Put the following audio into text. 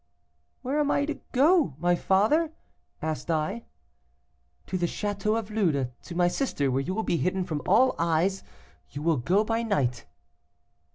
"'Where am I to go, my father?' asked I. "'To the château of Lude, to my sister, where you will be hidden from all eyes. You will go by night.